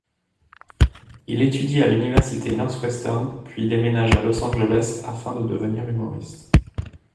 Il étudie à l'Université Northwestern puis déménage à Los Angeles afin de devenir humoriste.